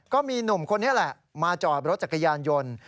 ก็มีหนุ่มคนนี้แหละมาจอดรถจักรยานยนต์